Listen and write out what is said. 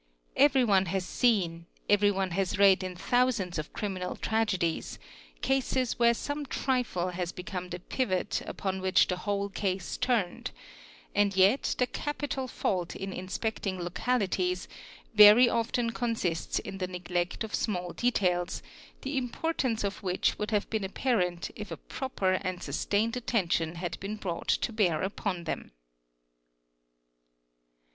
Everyone has seen, everyone has read in thousands of criminal tragedies, cases where some trifle has become the pivot upon which the whole case turned ; and yet the capital fault in inspecting localities very often consists in the neglect of small details, the importance of which would have been apparent if a proper and sustained attention had been brought to bear upon them.